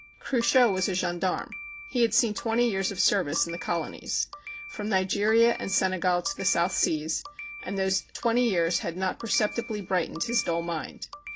Cruchot was a gendarme. He had seen twenty years of service in the colonies, from Nigeria and Senegal to the South Seas, and those tv/enty years had not perceptibly bright ened his dull mind.